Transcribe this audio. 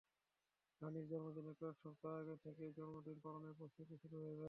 রানির জন্মদিনের কয়েক সপ্তাহ আগে থেকেই জন্মদিন পালনের প্রস্তুতি শুরু হয়ে যায়।